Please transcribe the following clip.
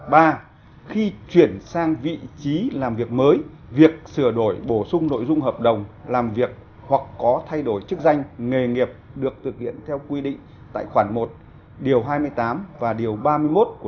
điều ba mươi ba khi chuyển sang vị trí làm việc mới việc sửa đổi bổ sung nội dung hợp đồng làm việc hoặc có thay đổi chức danh nghề nghiệp được thực hiện theo quy định tại khoản một điều hai mươi tám